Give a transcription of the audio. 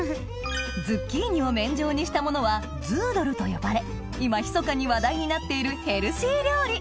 ズッキーニを麺状にしたものはズードルと呼ばれ今ひそかに話題になっているヘルシー料理